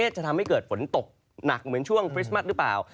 จะทำให้เกิดฝนตกหนักเหมือนช่วงคริสต์มัสหรือเปล่า